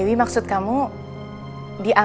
eh woy u juga mengerti cinta